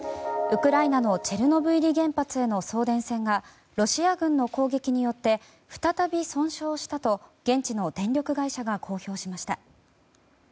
ウクライナのチェルノブイリ原発への送電線がロシア軍の攻撃によって再び損傷したと現地の電力会社が公表しました。